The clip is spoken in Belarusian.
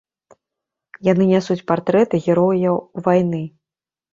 Яны нясуць партрэты герояў вайны.